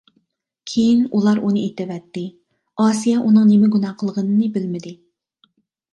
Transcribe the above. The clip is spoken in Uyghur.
كېيىن ئۇلار ئۇنى ئېتىۋەتتى، ئاسىيە ئۇنىڭ نېمە گۇناھ قىلغىنىنى بىلمىدى.